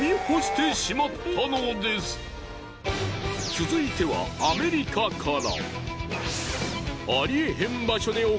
続いてはアメリカから。